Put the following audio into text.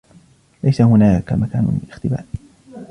ليس هناك مكان للاختباء.